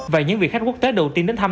và những vị khách quốc tế đầu tiên đến thăm